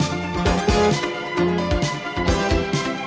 hẹn gặp lại